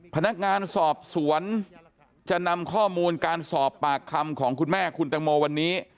พนักงานสอบสวนจะนำข้อมูลการสอบปากคำของคุณแม่คุณตังโมวันนี้